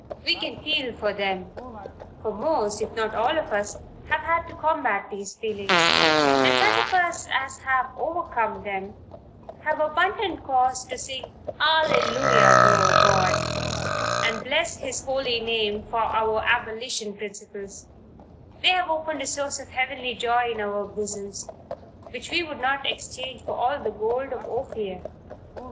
We can feel for them, for most, if not all of us have had to combat these feelings, and such of us as have overcome them, have abundant cause to sing hallelujah to our God, and bless his holy name for our abolition principles; they have opened a source of heavenly joy in our bosoms, which we would not exchange for all the gold of Ophir.